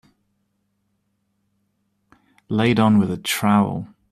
Laid on with a trowel